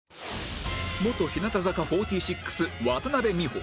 元日向坂４６渡邉美穂